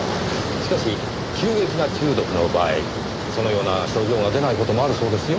しかし急激な中毒の場合そのような症状が出ない事もあるそうですよ。